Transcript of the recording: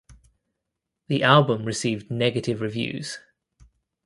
The album received negative reviews.